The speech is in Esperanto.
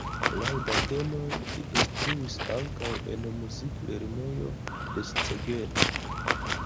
Laŭ datenoj li instruis ankaŭ en muziklernejo de Szeged.